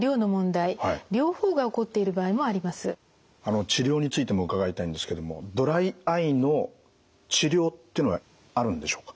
あの治療についても伺いたいんですけどもドライアイの治療っていうのはあるんでしょうか？